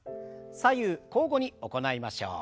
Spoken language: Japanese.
左右交互に行いましょう。